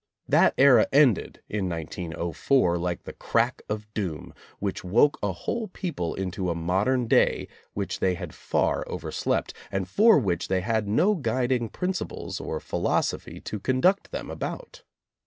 That era ended in 1904 like the crack of doom, which woke a whole people into a modern day which they had far overslept, and for which they had no guiding principles or philosophy to conduct them about.